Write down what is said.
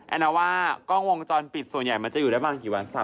แอน่าว่ากล้องวงจรปิดส่วนใหญ่มันจะอยู่ได้บางทีวัน๓๐วันป่ะ